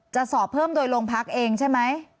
สอบเพิ่มโดยโรงพักเองใช่ไหม